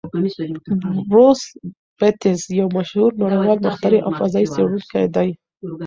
بروس بتز یو مشهور نړیوال مخترع او فضايي څېړونکی دی.